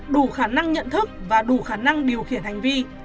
đủ khả năng nhận thức và đủ khả năng điều khiển hành vi